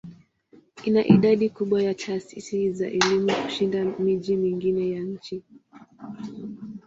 Ina idadi kubwa ya taasisi za elimu kushinda miji mingine ya nchi.